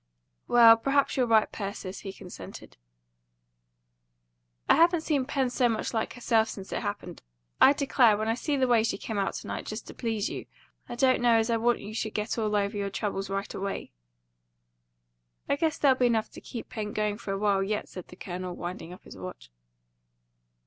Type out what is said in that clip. "Well, perhaps you're right, Persis," he consented. "I haven't seen Pen so much like herself since it happened. I declare, when I see the way she came out to night, just to please you, I don't know as I want you should get over all your troubles right away." "I guess there'll be enough to keep Pen going for a while yet," said the Colonel, winding up his watch.